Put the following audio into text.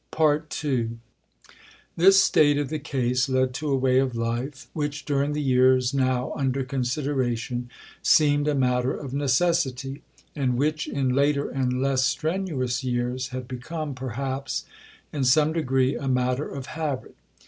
II This state of the case led to a way of life which during the years now under consideration seemed a matter of necessity, and which in later and less strenuous years had become, perhaps, in some degree a matter of habit.